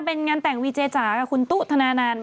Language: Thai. เป็นงานแต่งวีเจจ๋ากับทุวทนานาน